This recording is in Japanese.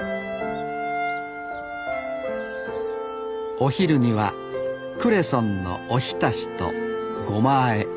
お昼にはクレソンのおひたしとごまあえ